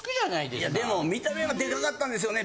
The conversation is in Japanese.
いやでも見た目はデカかったんですよね。